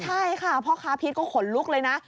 ใช่ค่ะพ่อค้าพีชก็ขนลุกเลยนะ